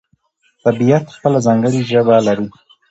طبیعت خپله ځانګړې ژبه لري.